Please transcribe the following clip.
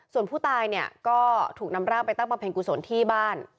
ส่วนผู้ตายเนี่ยก็ถูกนำร่างไปตั้งบำเพ็ญกุศลที่บ้าน